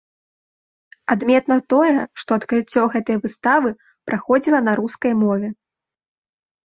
Адметна тое, што адкрыццё гэтай выставы праходзіла на рускай мове.